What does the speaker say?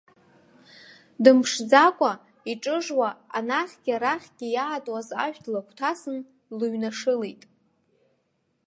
Дымԥшӡакәа, иҿыжуа, анахьгьы, арахьгьы иаатуаз ашә длагәҭасын, длыҩнашылеит.